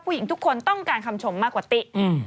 ผู้หญิงทุกคนต้องการคำสมมากกว่าติ